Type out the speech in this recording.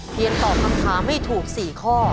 เรียนตอบคำถามไม่ถูก๔ข้อ